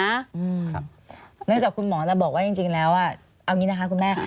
เนื่องจากคุณหมอจะบอกว่าจริงแล้วเอางี้นะคะคุณแม่